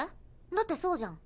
だってそうじゃん。